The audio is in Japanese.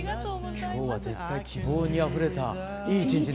今日は絶対希望にあふれたいい一日になりますね。